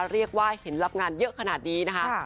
เรียกว่าเห็นรับงานเยอะขนาดนี้นะคะ